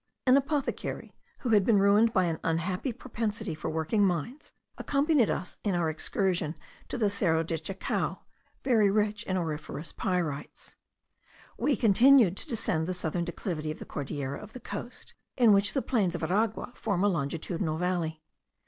An apothecary who had been ruined by an unhappy propensity for working mines, accompanied us in our excursion to the Serro de Chacao, very rich in auriferous pyrites. We continued to descend the southern declivity of the Cordillera of the coast, in which the plains of Aragua form a longitudinal valley.